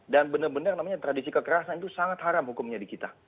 dan benar benar namanya tradisi kekerasan itu sangat haram hukumnya di kita